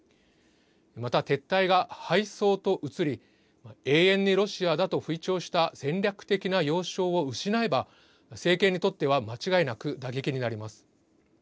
また、撤退が敗走とうつり永遠にロシアだと吹聴した戦略的な要衝を失えば政権にとっては間違いなく打撃になります。